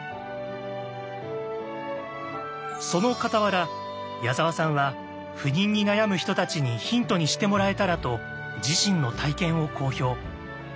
その傍ら矢沢さんは不妊に悩む人たちにヒントにしてもらえたらと自身の体験を公表。